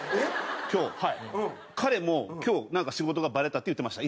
彼も今日なんか仕事がバレたって言ってました。